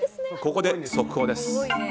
ここで、速報です。